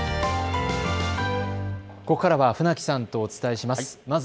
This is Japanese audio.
ここからは船木さんとお伝えします。